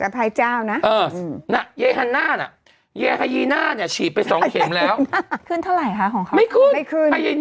เพราะอะไรรู้มั้ย